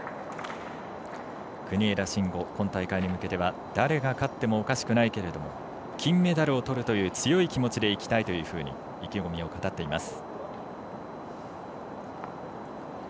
国枝慎吾、今大会に向けては誰が勝ってもおかしくないけれども金メダルをとるという強い気持ちでいきたいと意気込みを語っています。